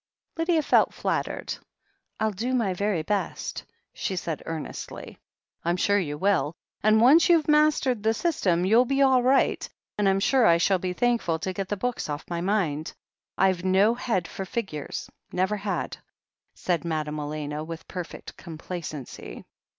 Lydia felt flattered "I'll do my very best," she said earnestly. THE HEEL OF ACHILLES 125 "I'm sure you will, and once you've mastered the system you'll be all right, and I'm sure I shall be thank ful to get the books off my mind. I've no head for figures, and never had," said Madame Elena, with perfect complacency.